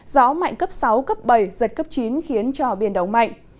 gió mạnh cấp sáu cấp bảy giật cấp chín khiến cho biển động mạnh